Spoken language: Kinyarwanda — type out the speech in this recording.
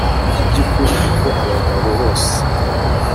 mu by'ukuri ubwo abagabo bose